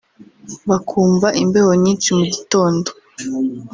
bakumva imbeho nyinshi mu gitondo